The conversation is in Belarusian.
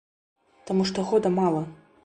Таму што года мала.